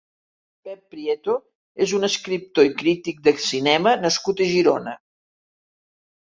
Pep Prieto és un escriptor i crític de cinema nascut a Girona.